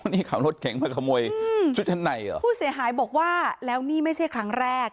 นี่ขับรถเก่งมาขโมยชุดชั้นในเหรอผู้เสียหายบอกว่าแล้วนี่ไม่ใช่ครั้งแรก